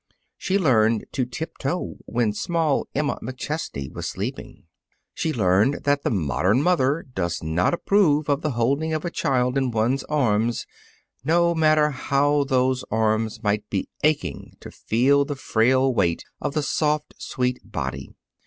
She learned to tiptoe when small Emma McChesney was sleeping. She learned that the modern mother does not approve of the holding of a child in one's arms, no matter how those arms might be aching to feel the frail weight of the soft, sweet body.